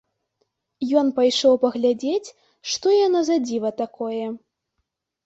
Ён пайшоў паглядзець, што яно за дзіва такое.